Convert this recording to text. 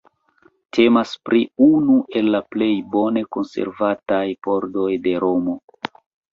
Temas pri unu el la plej bone konservataj pordoj de Romo.